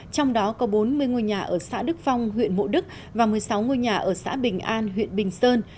trong đó có bốn mươi ngôi nhà ở xã đức phong huyện mộ đức và một mươi sáu ngôi nhà ở xã bình an huyện bình sơn